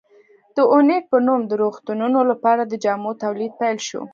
د اوینټ په نوم د روغتونونو لپاره د جامو تولید پیل شو.